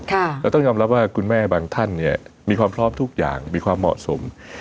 เราต้องยอมรับว่าคุณแม่บางท่านเนี่ยมีความพร้อมทุกอย่างมีความเหมาะสม